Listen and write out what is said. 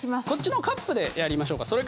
こっちのカップでやりましょうか？